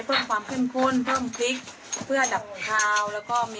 เพิ่มความขึ้นพุนเพิ่มพริกเพื่อดับขาว